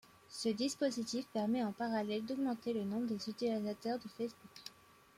Ce dispositif permet en parallèle d'augmenter le nombre des utilisateurs de Facebook.